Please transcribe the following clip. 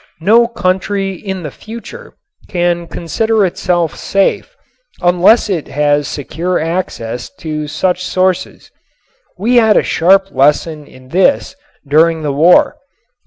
No country in the future can consider itself safe unless it has secure access to such sources. We had a sharp lesson in this during the war.